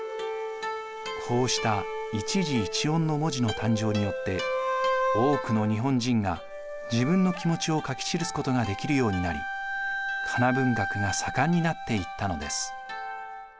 こうした一字一音の文字の誕生によって多くの日本人が自分の気持ちを書き記すことができるようになりかな文学が盛んになっていったのです。